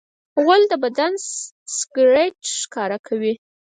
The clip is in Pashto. غول د بدن سګرټ ښکاره کوي.